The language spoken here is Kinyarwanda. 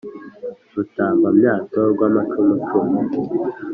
Rutambamyato rwa macumu cumu